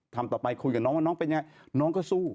ทำต่อไปคุยกับน้องว่าน้องเป็นยังไงน้องก็สู้